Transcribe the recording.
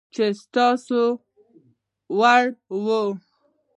چي ستا وړ وي